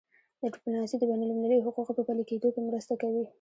ډیپلوماسي د بینالمللي حقوقو په پلي کېدو کي مرسته کوي.